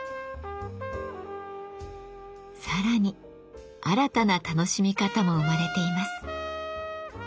さらに新たな楽しみ方も生まれています。